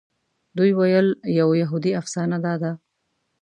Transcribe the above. دوی ویل یوه یهودي افسانه داده.